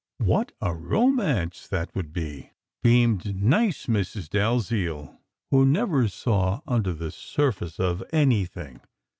"What a romance that would be!" beamed nice Mrs. Dalziel, who never saw under the surface of anything.